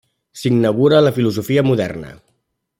S'inaugura la filosofia moderna.